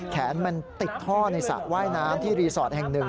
แขนมันติดท่อในสระว่ายน้ำที่รีสอร์ทแห่งหนึ่ง